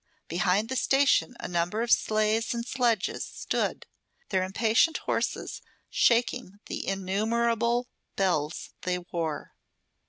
Behind the station a number of sleighs and sledges stood, their impatient horses shaking the innumerable bells they wore.